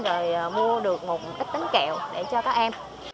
rồi mua được một ít bánh kẹo để cho các em